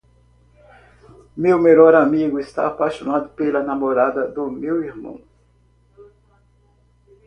Meu melhor amigo está apaixonado pela namorada do meu irmão.